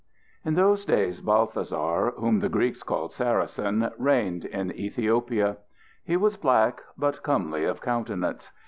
I. In those days Balthasar, whom the Greeks called Saracin, reigned in Ethiopia. He was black, but comely of countenance.